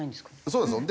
そうですよ。